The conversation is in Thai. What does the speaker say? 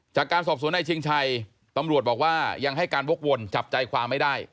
จากการสอบสวนนายชิงชัยตำรวจบอกว่ายังให้การวกวนจับใจความไม่ได้